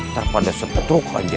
daripada setruk aja